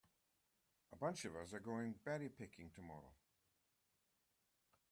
A bunch of us are going berry picking tomorrow.